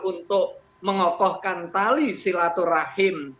untuk mengokohkan tali silaturahim